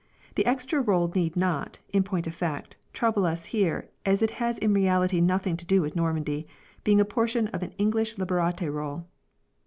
The extra roll need not, in point of fact, trouble us here as it has in reality nothing to do with Normandy ; being a portion of an English Liberate Roll.